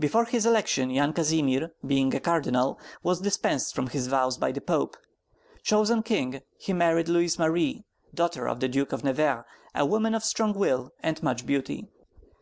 Before his election Yan Kazimir, being a cardinal, was dispensed from his vows by the Pope. Chosen king, he married Louise Marie, daughter of the Duke of Nevers, a woman of strong will and much beauty.